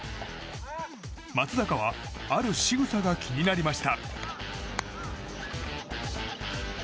松坂は、あるしぐさが気になりました。